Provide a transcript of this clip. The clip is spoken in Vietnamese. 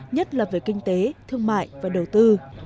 nhất là về kinh tế thương mại và đầu tư